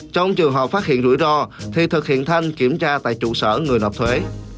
trong trường hợp phát hiện rủi ro thì thực hiện thanh kiểm tra tại trụ sở người nộp thuế